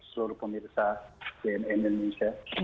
seluruh pemirsa jnn indonesia